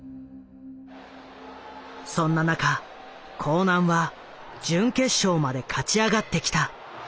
そんな中興南は準決勝まで勝ち上がってきた。